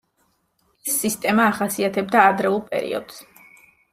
ეს სისტემა ახასიათებდა ადრეულ პერიოდს.